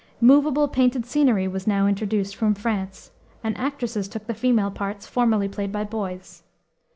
Movable painted scenery was now introduced from France, and actresses took the female parts formerly played by boys.